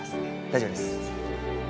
大丈夫です。